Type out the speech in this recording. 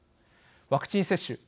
ワクチン接種。